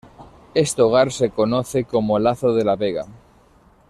Este hogar se conoce como Lazo de la Vega.